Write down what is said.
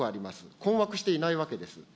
困惑していないわけです。